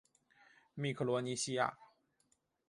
密克罗尼西亚。